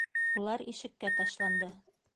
Улар ишеккә ташланды.